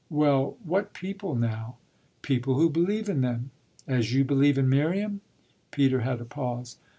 "Well, what people now?" "People who believe in them." "As you believe in Miriam?" Peter had a pause.